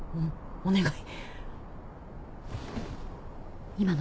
お願い！